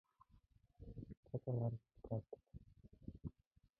Цаг агаараас шалтгаалдаг.